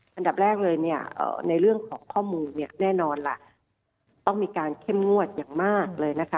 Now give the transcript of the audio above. สำหรับแรกเลยในเรื่องของข้อมูลแน่นอนต้องมีการเข้มงวดอย่างมากเลย